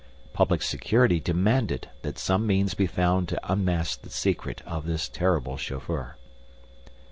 Public security demanded that some means be found to unmask the secret of this terrible chauffeur.